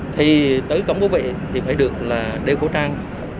thì tới cổng bố vệ thì phải được đeo khẩu trang